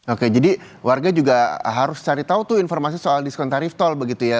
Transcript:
oke jadi warga juga harus cari tahu tuh informasi soal diskon tarif tol begitu ya